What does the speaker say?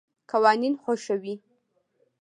قوانین خوښوي.